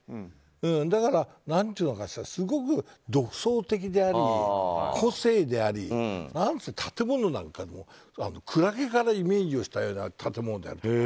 だから、すごく独創的であり個性であり、建物なんかクラゲからイメージをしたような建物なんかある。